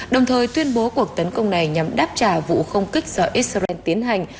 đồng thời tuyên bố cuộc tấn công này nhằm đáp trả vụ không kích do israel tiến hành